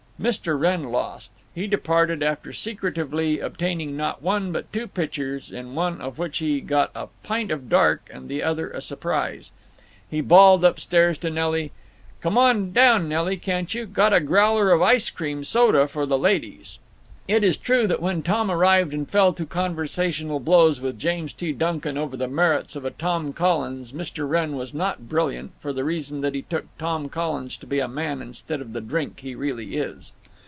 Mr. Wrenn lost. He departed, after secretively obtaining not one, but two pitchers, in one of which he got a "pint of dark" and in the other a surprise. He bawled upstairs to Nelly, "Come on down, Nelly, can't you? Got a growler of ice cream soda for the ladies!" It is true that when Tom arrived and fell to conversational blows with James T. Duncan over the merits of a Tom Collins Mr. Wrenn was not brilliant, for the reason that he took Tom Collins to be a man instead of the drink he really is.